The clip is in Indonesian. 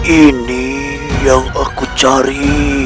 ini yang aku cari